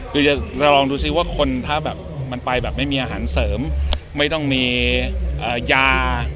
คือจะลองดูซิว่าคนถ้าแบบมันไปแบบไม่มีอาหารเสริมไม่ต้องมียา